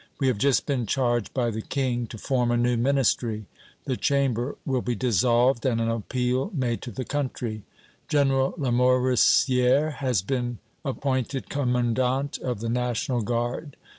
We have just been charged by the King to form a new Ministry. The Chamber will be dissolved and an appeal made to the country. General Lamoricière has been appointed Commandant of the National Guard.